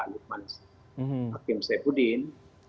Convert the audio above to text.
yang terkenal adalah luqman hakim syaifuddin